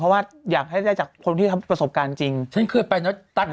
เพราะว่าอยากให้ได้จากคนที่ทำประสบการณ์จริงฉันเคยไปเนอะ